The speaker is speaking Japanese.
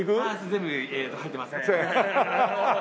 全部入ってません。